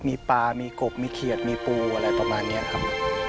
มีปลามีกบมีเขียดมีปูอะไรประมาณนี้ครับ